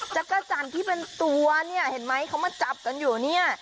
จักรจันทร์ที่เป็นตัวเนี่ยเห็นไหมเขามาจับกันอยู่เนี่ย